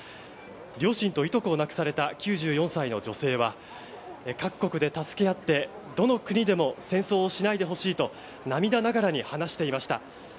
両親といとこを亡くされた９４歳の女性は各国で助け合ってどの国でも戦争をしないでほしいと涙ながらに話していました。